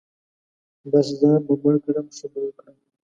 بـس ځان به مړ کړم ښه به وکړم.